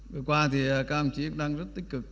vừa qua thì các ông chí cũng đang rất tích cực